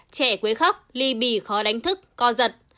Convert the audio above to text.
trẻ quấy khóc ly bì khó đánh thức co giật